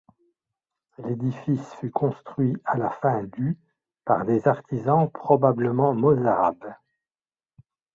L'édifice fut construit à la fin du par des artisans probablement mozarabes.